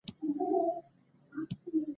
مړه ته د الله ج لور غواړو